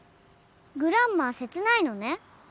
グランマは切ないのね。